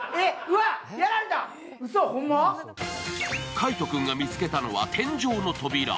海音君が見つけたのは天井の扉。